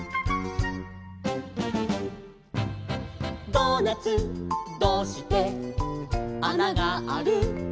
「ドーナツどうしてあながある？」